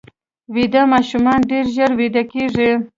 ویده ماشومان ډېر ژر ویده کېږي